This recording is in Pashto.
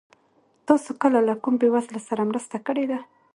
تاسو کله له کوم بېوزله سره مرسته کړې ده؟